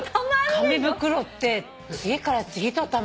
紙袋って次から次とたまる。